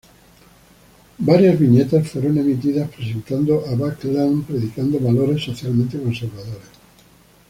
Varias viñetas fueron emitidas, presentando a Backlund predicando valores socialmente conservadores.